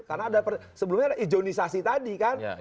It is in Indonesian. karena sebelumnya ada izonisasi tadi kan